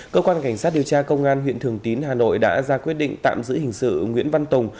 cơ quan cảnh sát điều tra công an huyện thường tín hà nội đã ra quyết định tạm giữ hình sự nguyễn văn tùng